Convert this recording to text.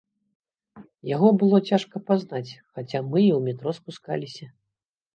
Яго было цяжка пазнаць, хаця мы і ў метро спускаліся.